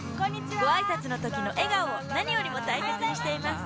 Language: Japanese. ごあいさつのときの笑顔を何よりも大切にしています。